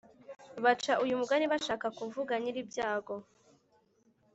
Baca uyu mugani bashaka kuvuga nyiribyago